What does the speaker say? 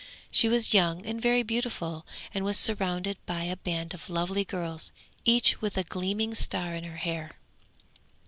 She was young and very beautiful, and was surrounded by a band of lovely girls, each with a gleaming star in her hair.